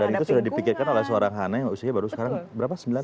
dan itu sudah dipikirkan oleh seorang hanna yang usia baru sekarang berapa sembilan tahun